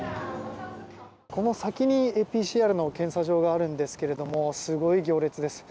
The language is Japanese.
この先にＰＣＲの検査場があるんですがすごい行列です。